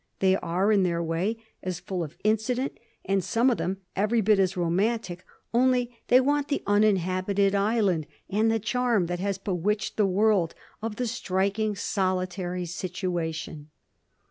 They are, in their way, as full of incident, and some of them every bit as romantic; only they want the uninhabited island, and the charm, that has bewitched the world, of the striking solitary situation."